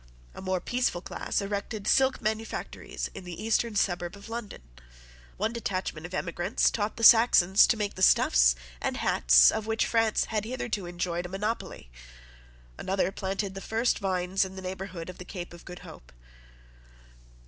A more peaceful class erected silk manufactories in the eastern suburb of London. One detachment of emigrants taught the Saxons to make the stuffs and hats of which France had hitherto enjoyed a monopoly. Another planted the first vines in the neighbourhood of the Cape of Good Hope.